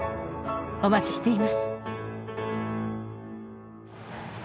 お待ちしています。